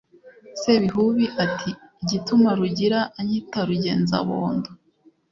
sebihubi ati: “igituma rugira anyita rugenzabondo